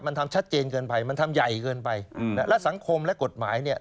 มันทำชัดเจนเกินไปมันทำใหญ่เกินไปอืมนะและสังคมและกฎหมายเนี่ย